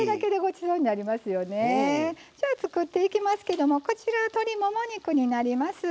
じゃあ作っていきますけどもこちら鶏もも肉になります。